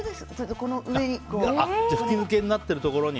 吹き抜けになってるところに。